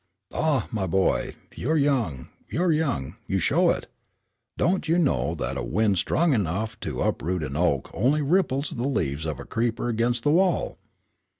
"Ah, my boy, you're young, you're young; you show it. Don't you know that a wind strong enough to uproot an oak only ripples the leaves of a creeper against the wall?